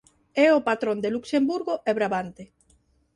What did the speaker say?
É o patrón de Luxemburgo e Brabante.